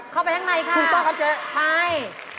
เข้าไปข้างในครับใช่